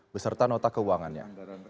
beserta nota keuangannya